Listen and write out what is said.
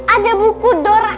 ada buku doraemon